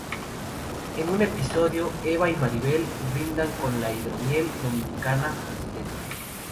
En un episodio Eva y Maribel brindan con la hidromiel dominicana Presidente.